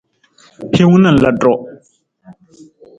Hiwung na lutu.